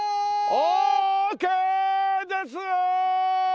オーケーですよ！